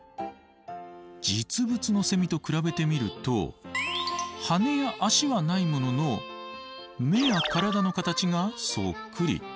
実物のセミと比べてみると羽や脚はないものの目や体の形がそっくり。